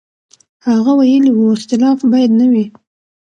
هغه ویلي و، اختلاف باید نه وي.